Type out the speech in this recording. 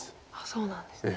そうなんですね。